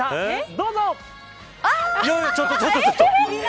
どうぞ。